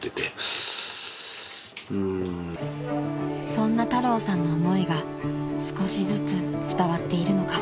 ［そんな太郎さんの思いが少しずつ伝わっているのか